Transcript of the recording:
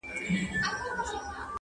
که زه مړ سوم ما به څوک په دعا یاد کي!.